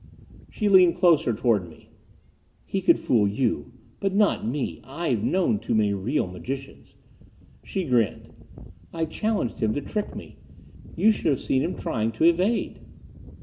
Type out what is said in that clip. She leaned closer toward me. "He could fool you. But not me I've known too many real magicians." She grinned. "I challenged him to trick me. You should have seen him trying to evade!"